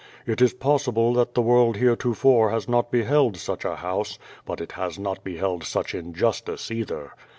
It is possible that the world heretofore has not beheld such a house, but it has not be held such injustice either.